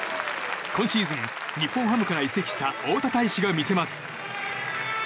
今シーズン、日本ハムから移籍した大田泰示が見せます。